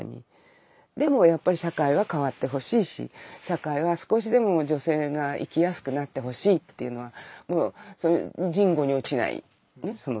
でもやっぱり社会は変わってほしいし社会は少しでも女性が生きやすくなってほしいっていうのはもう人後に落ちないその気持ちは。